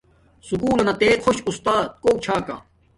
سکُول لنا تے خوش اُستات کوک چھا کا